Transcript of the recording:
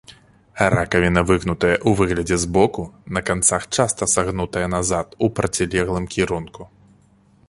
Ракавіна выгнутая ў выглядзе збоку, на канцах часта сагнутая назад у процілеглым кірунку.